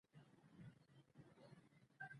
په بدو کي د ښځو ورکول د دین خلاف عمل دی.